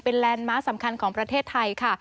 แลนด์มาร์คสำคัญของประเทศไทยค่ะ